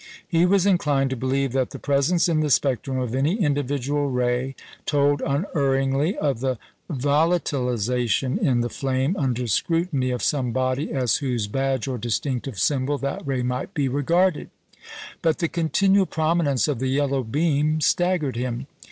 He was inclined to believe that the presence in the spectrum of any individual ray told unerringly of the volatilisation in the flame under scrutiny of some body as whose badge or distinctive symbol that ray might be regarded; but the continual prominence of the yellow beam staggered him.